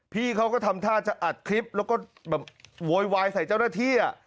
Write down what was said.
พี่เขาก็ทำท่าจะอัดคลิปแล้วก็แบบโวยวายใส่เจ้าหน้าที่